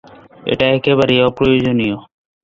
এটা একেবারেই অপ্রয়োজনীয়।